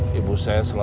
dan juga menyobot r tilat